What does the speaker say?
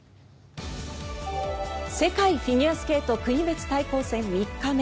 世界フィギュアスケート国別対抗戦３日目。